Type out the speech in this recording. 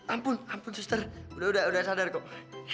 ampun ampun sister udah udah udah sadar kok